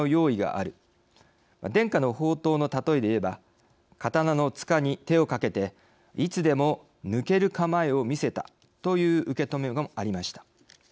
伝家の宝刀の例えで言えば刀のつかに手をかけていつでも抜ける構えを見せたという受け止めもありました。